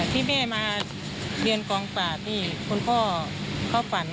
ที่แม่มาเรียนกองปราบนี่คุณพ่อเขาฝัน